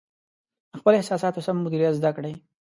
د خپلو احساساتو سم مدیریت زده کړئ.